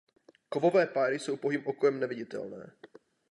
Kovové páry jsou pouhým okem neviditelné.